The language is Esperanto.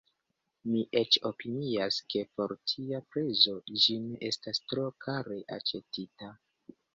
Mi eĉ opinias, ke por tia prezo ĝi ne estas tro kare aĉetita.